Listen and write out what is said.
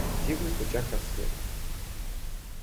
В дивных лучах рассвета.